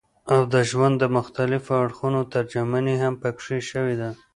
او د ژوند د مختلفو اړخونو ترجماني هم پکښې شوې ده